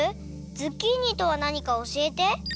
ズッキーニとはなにかおしえて！